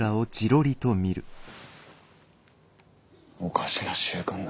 おかしな習慣だ。